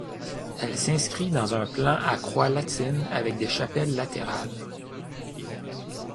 Elle s'inscrit dans un plan à croix latine avec des chapelles latérales.